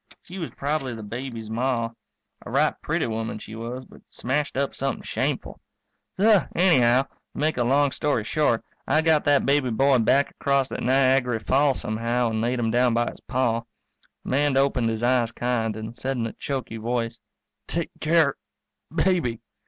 She was probably the baby's Ma; a right pretty woman she was but smashed up something shameful. So anyhow, to make a long story short, I got that baby boy back across that Niagary falls somehow, and laid him down by his Pa. The man opened his eyes kind, and said in a choky voice, "Take care baby."